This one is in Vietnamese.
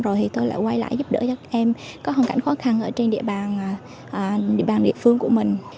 rồi thì tôi lại quay lại giúp đỡ các em có hoàn cảnh khó khăn ở trên địa bàn địa phương của mình